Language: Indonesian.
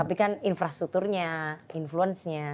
tapi kan infrastrukturnya influence nya